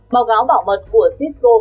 báo cáo bảo mật của cisco